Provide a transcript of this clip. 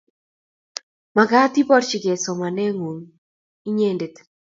Makat iporchikey somanet ng'ung inyendet.